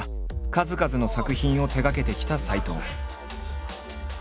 数々の作品を手がけてきた斎藤。